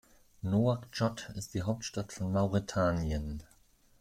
Nouakchott ist die Hauptstadt von Mauretanien.